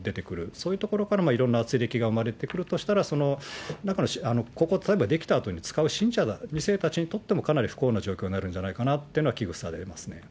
そういうところからいろんなあつれきが生まれてくるとしたら、その中のここ、例えば出来たあとに使う信者、２世たちにとってもかなり不幸な状況になるんじゃないかなっていうのは、危惧されますね。